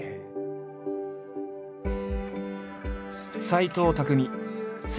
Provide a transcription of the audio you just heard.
斎藤工